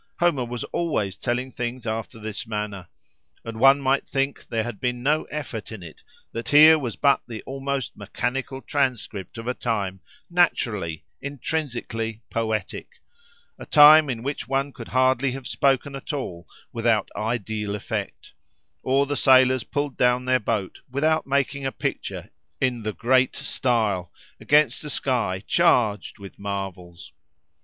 Homer was always telling things after this manner. And one might think there had been no effort in it: that here was but the almost mechanical transcript of a time, naturally, intrinsically, poetic, a time in which one could hardly have spoken at all without ideal effect, or, the sailors pulled down their boat without making a picture in "the great style," against a sky charged with marvels.